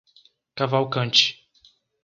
Cavalcante